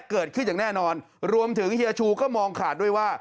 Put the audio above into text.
อย่างแน่นอนรวมถึงเฮียชูก็มองขาดด้วยว่า